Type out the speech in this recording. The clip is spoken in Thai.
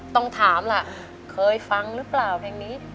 ต้องถามล่ะเคยฟังหรือเปล่าเพลงนี้